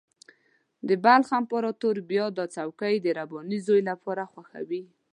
د بلخ امپراطور بیا دا څوکۍ د رباني زوی لپاره خوښوي.